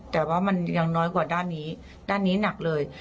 แต่ว่ามันยังน้อยกว่าด้านนี้ด้านนี้หนักเลย